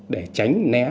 để tránh né